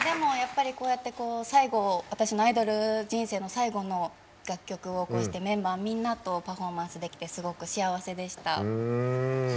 こうやって最後私のアイドル人生の最後の楽曲をこうしてメンバーみんなとパフォーマンスできてすごく幸せでした。